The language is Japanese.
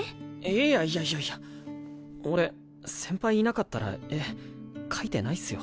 いやいやいやいや俺先輩いなかったら絵描いてないっすよ